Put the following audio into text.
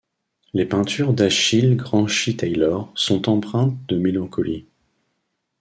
Les peintures d'Achille Granchi-Taylor sont empreintes de mélancolie.